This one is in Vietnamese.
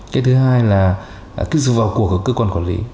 cái thứ hai là kích dụng vào cuộc của cơ quan quản lý